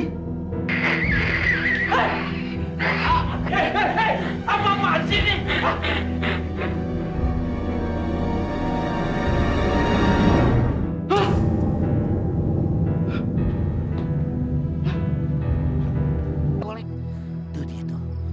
hei hei hei apa apaan sih ini